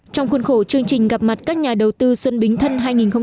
trong khuôn khổ chương trình gặp mặt các nhà đầu tư xuân bình thân hai nghìn một mươi sáu